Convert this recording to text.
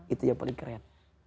itu yang paling keren